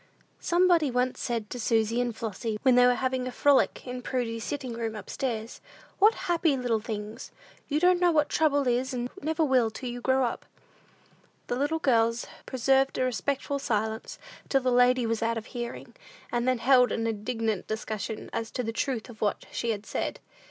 Somebody said once to Susy and Flossy, when they were having a frolic in "Prudy's sitting room," up stairs, "What happy little things! You don't know what trouble is, and never will, till you grow up!" The little girls preserved a respectful silence, till the lady was out of hearing, and then held an indignant discussion as to the truth of what she had said.